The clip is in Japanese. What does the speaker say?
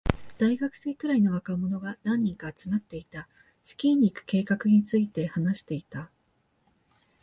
大学生くらいの若者が何人か集まっていた。スキーに行く計画について話していた。